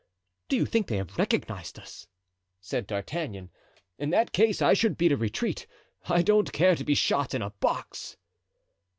"Do you think they have recognized us?" said D'Artagnan. "In that case I should beat a retreat. I don't care to be shot in a box."